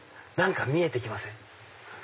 何か見えて来ません？